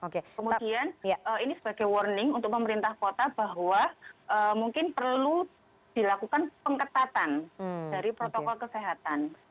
kemudian ini sebagai warning untuk pemerintah kota bahwa mungkin perlu dilakukan pengetatan dari protokol kesehatan